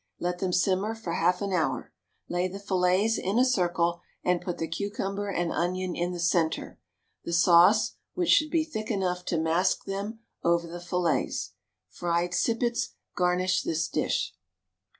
Let them simmer for half an hour. Lay the fillets in a circle, and put the cucumber and onion in the centre, the sauce, which should be thick enough to mask them, over the fillets. Fried sippets garnish this dish.